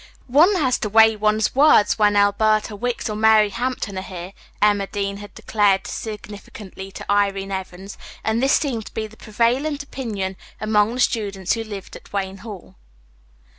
"One has to weigh one's words before speaking when Alberta Wicks or Mary Hampton are here," Emma Dean had declared significantly to Irene Evans, and this seemed to be the prevalent opinion among the students who lived at Wayne Hall.